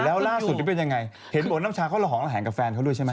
แล้วล่าสุดนี้เป็นยังไงเห็นบอกว่าน้ำชาเขาระหองระแหงกับแฟนเขาด้วยใช่ไหม